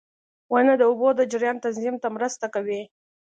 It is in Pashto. • ونه د اوبو د جریان تنظیم ته مرسته کوي.